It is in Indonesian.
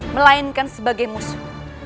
melainkan sebagai musuh